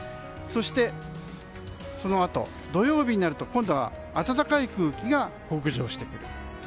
そして、土曜日になると今度は暖かい空気が北上してくる。